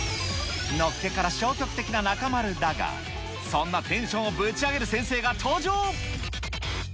のっけから消極的な中丸だが、そんなテンションをぶち上げる先生が登場。